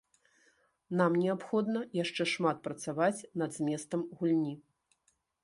Нам неабходна яшчэ шмат працаваць над зместам гульні.